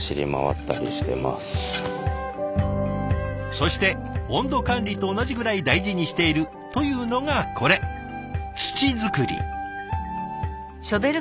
そして温度管理と同じぐらい大事にしているというのがこれ土作り。